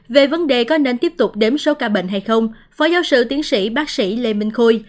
về vấn đề có nên tiếp tục đếm số ca bệnh hay không phó giáo sư tiến sĩ bác sĩ lê minh khôi